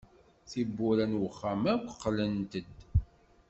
Tiwwura n wexxam akk qqlent-d.